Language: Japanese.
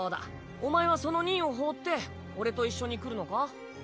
お前はその任を放って俺と一緒に来るのか？